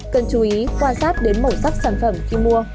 cần chú ý quan sát đến màu sắc sản phẩm khi mua